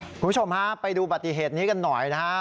คุณผู้ชมฮะไปดูบัติเหตุนี้กันหน่อยนะฮะ